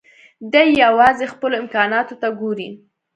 دی يوازې خپلو امکاناتو ته ګوري.